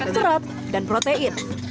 serat dan protein